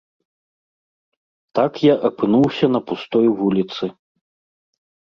Так я апынуўся на пустой вуліцы.